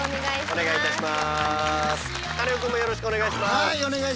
はいお願いします。